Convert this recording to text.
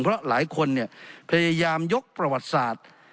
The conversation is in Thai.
เพราะหลายคนพยายามยกประวัติศาสตร์